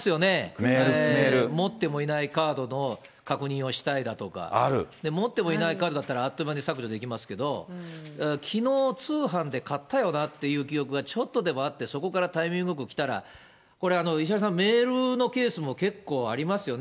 持ってもいないカードの確認をしたいだとか、持ってもいないカードだったら、あっという間に削除できますけれども、きのう、通販で買ったよなっていう記憶がちょっとでもあって、そこからタイミングよく来たら、これは石原さん、メールのケースも結構ありますよね。